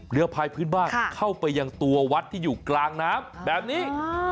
พายพื้นบ้านเข้าไปยังตัววัดที่อยู่กลางน้ำแบบนี้